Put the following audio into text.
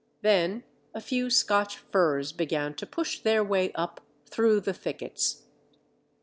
Then a few Scotch firs began to push their way up, through the thickets.